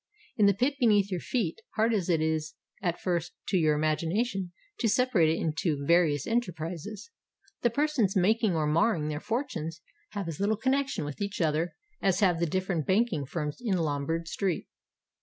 In the pit beneath your feet, hard as it is at first to your imagination to separate it into various enterprises, the persons making or marring their fortunes have as little connection with each other as have the different banking firms in Lombard Street.